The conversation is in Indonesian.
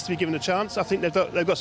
saya pikir mereka memiliki ide yang bagus